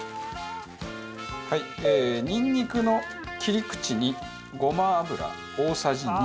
はいにんにくの切り口にごま油大さじ２。